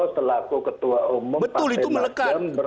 telaku ketua umum betul itu melekat